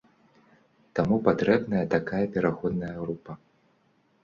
Таму патрэбная такая пераходная група.